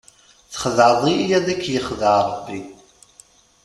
Texdeɛḍ-iyi ad k-yexdeɛ rebbi!